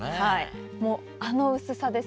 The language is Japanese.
もうあの薄さです。